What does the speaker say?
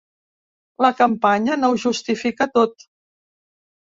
La campanya no ho justifica tot.